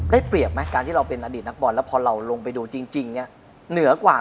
เปรียบไหมการที่เราเป็นอดีตนักบอลแล้วพอเราลงไปดูจริงเนี่ยเหนือกว่า